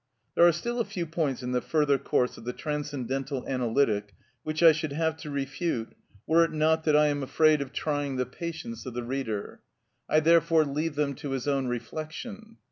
There are still a few points in the further course of the transcendental analytic which I should have to refute were it not that I am afraid of trying the patience of the reader; I therefore leave them to his own reflection.